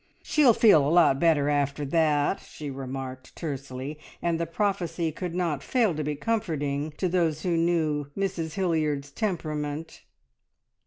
"She'll feel a lot better after that!" she remarked tersely, and the prophecy could not fail to be comforting to those who knew Mrs Hilliard's temperament.